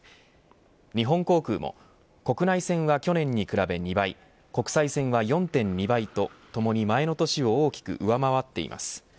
日本航空も国内線は去年に比べ２倍国際線は４．２倍とともに前の年を大きく上回っています。